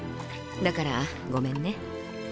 だからごめんね。